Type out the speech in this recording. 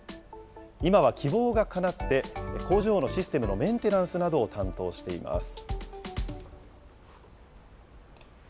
今は希望がかなって、工場のシステムのメンテナンスなどを担当しています。